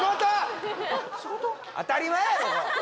当たり前やろが！